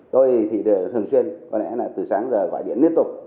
tôi thì thường xuyên có lẽ là từ sáng giờ gọi điện liên tục